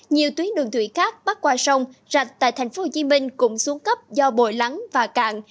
nhiều tuyến đường thủy khác bắt qua sông rạch tại tp hcm cũng xuống cấp do bồi lắng và cạn